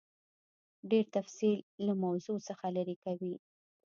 ډېر تفصیل له موضوع څخه لیرې کوي.